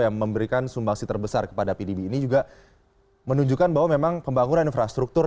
yang memberikan sumbangsi terbesar kepada pdb ini juga menunjukkan bahwa memang pembangunan infrastruktur